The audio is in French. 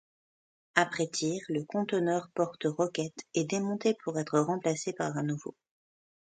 Après tir, le conteneur porte roquette est démonté pour être remplacé par un nouveau.